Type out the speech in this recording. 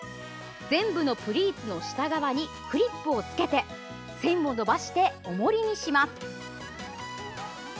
全部のプリーツの下側にクリップをつけて線を伸ばして、おもりにします。